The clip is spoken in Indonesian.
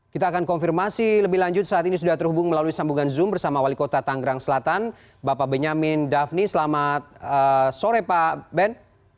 kita akan konfirmasi lebih lanjut saat ini sudah terhubung melalui sambungan zoom bersama wali kota tanggerang selatan bapak benyamin daphni selamat sore pak ben